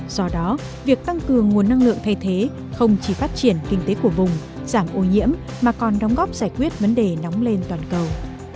do đó việc tăng cường nguồn năng lượng thay thế không chỉ phát triển kinh tế của vùng giảm ô nhiễm mà còn đóng góp giải quyết vấn đề nóng lên toàn cầu